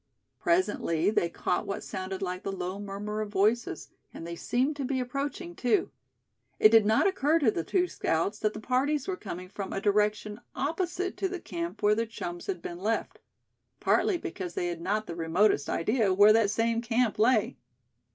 Presently they caught what sounded like the low murmur of voices, and they seemed to be approaching too. It did not occur to the two scouts that the parties were coming from a direction opposite to the camp where their chums had been left; partly because they had not the remotest idea where that same camp lay.